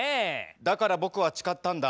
「だから僕は誓ったんだ。